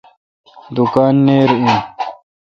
دوکان نیر این۔